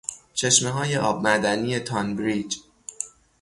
چشمههای آب معدنی تانبریج